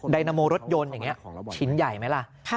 ยนาโมรถยนต์อย่างนี้ชิ้นใหญ่ไหมล่ะ